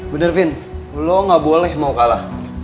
bener vin lo gak boleh mau kalah